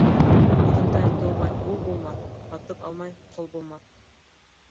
Үҙеңдән тыумай ул булмаҫ, һатып алмай ҡол булмаҫ.